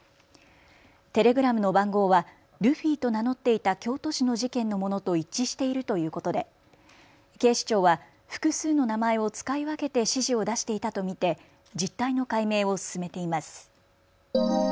テレグラムの番号はルフィと名乗っていた京都市の事件のものと一致しているということで警視庁は複数の名前を使い分けて指示を出していたと見て実態の解明を進めています。